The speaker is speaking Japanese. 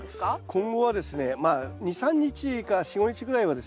今後ですねまあ２３日か４５日ぐらいはですね